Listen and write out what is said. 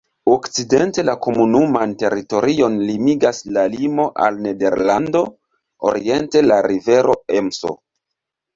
Okcidente la komunuman teritorion limigas la limo al Nederlando, oriente la rivero Emso.